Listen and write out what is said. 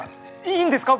いいんですか？